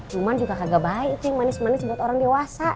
cuman juga agak baik itu yang manis manis buat orang dewasa